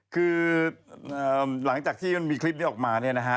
คือหลังจากที่มันมีคลิปนี้ออกมาเนี่ยนะฮะ